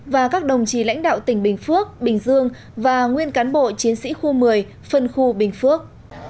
và các đồng chí lãnh đạo tỉnh bình phước bình dương và nguyên cán bộ chiến sĩ khu một mươi phân khu bình phước